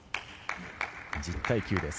１０対９です。